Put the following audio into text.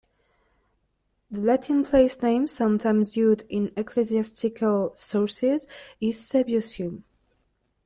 The Latin place-name, sometimes used in ecclesiastical sources, is "Sebusium".